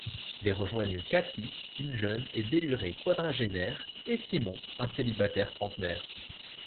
Les rejoignent Cathy, une jeune et délurée quadragénaire et Simon un célibataire trentenaire.